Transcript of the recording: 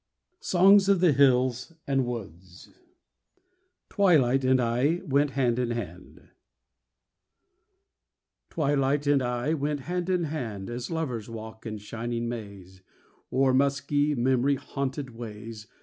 40 SONGS OF THE HILLS AND WOODS 41 TWILIGHT AND I WENT HAND IN HAND Twilight and I went hand in hand, As lovers walk in shining Mays, O'er musky, memory haunted ways.